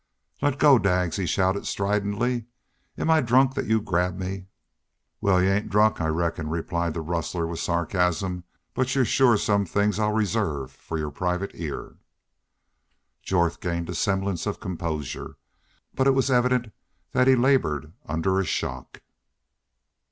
"Let go, Daggs," he shouted, stridently. "Am I drunk that you grab me?" "Wal, y'u ain't drunk, I reckon," replied the rustler, with sarcasm. "But y'u're shore some things I'll reserve for your private ear." Jorth gained a semblance of composure. But it was evident that he labored under a shock.